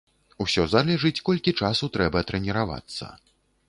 Усё залежыць, колькі часу трэба трэніравацца.